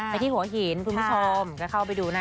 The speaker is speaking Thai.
ที่หัวหินคุณผู้ชมก็เข้าไปดูนะ